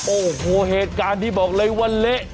โอ้โหเหตุการณ์ที่บอกเลยว่าเละ